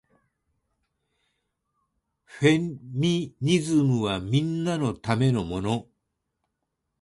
フェミニズムはみんなのためのもの